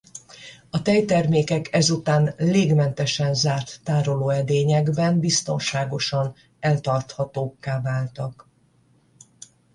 A tejtermékek ezután légmentesen zárt tárolóedényekben biztonságosan eltarthatókká váltak.